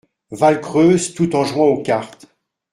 Valcreuse, tout en jouant aux cartes.